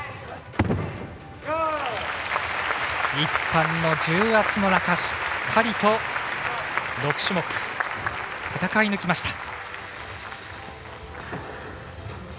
１班の重圧の中しっかりと６種目戦い抜きました。